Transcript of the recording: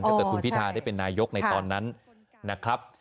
ถ้าเกิดคุณพิทาได้เป็นนายกในตอนนั้นนะครับ